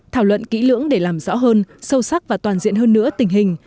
thảo luận kỹ lưỡng để làm rõ hơn sâu sắc và toàn diện hơn nữa tình hình